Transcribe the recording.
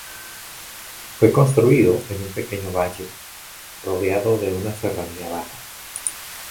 Fue construido en un pequeño valle, rodeado de una serranía baja.